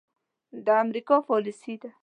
د امريکا پاليسي ده.